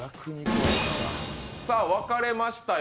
分かれましたよ。